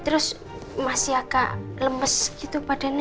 terus masih agak lemes gitu badannya